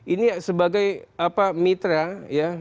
ini sebagai mitra ya